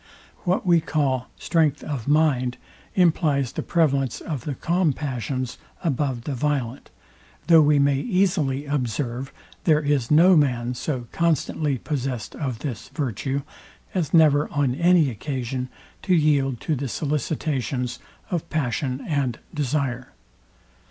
What we call strength of mind, implies the prevalence of the calm passions above the violent; though we may easily observe, there is no man so constantly possessed of this virtue, as never on any occasion to yield to the sollicitations of passion and desire.